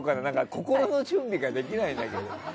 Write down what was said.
心の準備ができないんだけど。